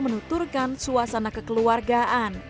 menuturkan suasana kekeluargaan